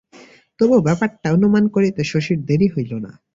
তবু ব্যাপারটা অনুমান করিতে শশীর দেরি হইল না।